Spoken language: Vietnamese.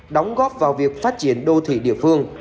đóng góp vào việc phát triển đô thị địa phương